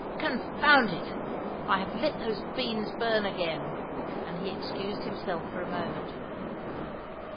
"Confound it! I have let those beans burn again." And he excused himself for a moment.